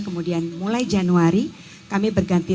kemudian mulai januari kami berganti